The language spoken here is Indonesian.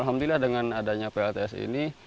alhamdulillah dengan adanya plts ini